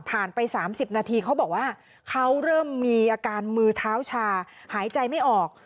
ไป๓๐นาทีเขาบอกว่าเขาเริ่มมีอาการมือเท้าชาหายใจไม่ออก